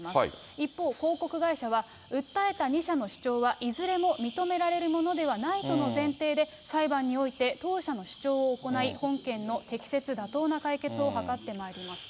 一方、広告会社は、訴えた２社の主張はいずれも認められるものではないとの前提で、裁判において、当社の主張を行い、本件の適切妥当な解決を図ってまいりますと。